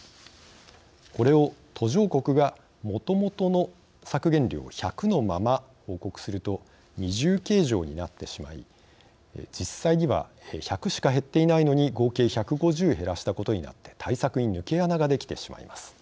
これを途上国がもともとの削減量１００のまま報告すると二重計上になってしまい実際は１００しか減っていないのに合計１５０減らしたことになって対策に抜け穴ができてしまいます。